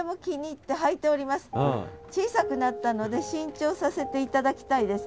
小さくなったので新調させて頂きたいです。